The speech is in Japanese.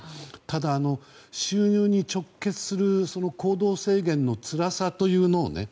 ただ、収入に直結する行動制限のつらさというのをね